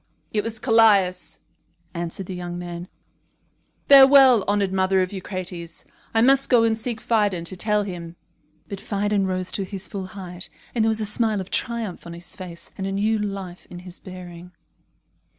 "It was Callias," answered the young man. "Farewell, honoured mother of Eucrates. I must go and seek Phidon to tell him." But Phidon rose to his full height, and there was a smile of triumph on his face and a new life in his bearing.